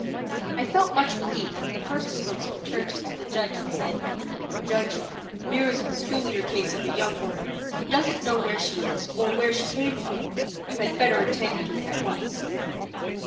I felt much relieved when the first spokesman turned to the judge and said: "Judge, here is a peculiar case of a young woman who doesn't know who she is or where she came from. You had better attend to it at once."